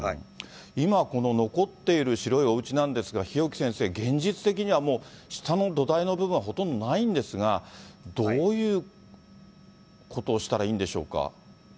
今、この残っている白いおうちなんですが、日置先生、現実的にはもう下の土台の部分はほとんどないんですが、どういうことをしたらいいんでしょうか。